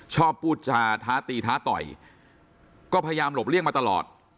พูดจาท้าตีท้าต่อยก็พยายามหลบเลี่ยงมาตลอด